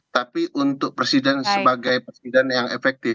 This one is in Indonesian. tapi untuk presiden sebagai presiden yang efektif